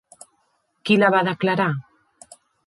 Qui la va declarar?